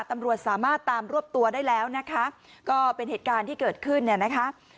ตำรวจสามารถตามรวบตัวได้แล้วนะคะก็เป็นเหตุการณ์ที่เกิดขึ้นเนี่ยนะคะ